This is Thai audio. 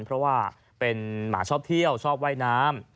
เพราะว่าเป็นหมาชอบเที่ยวชอบว่ายน้ำ